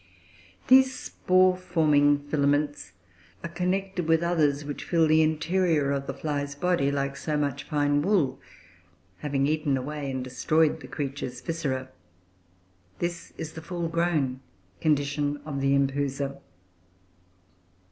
These spore forming filaments are connected with others which fill the interior of the fly's body like so much fine wool, having eaten away and destroyed the creature's viscera. This is the full grown condition of the Empusa.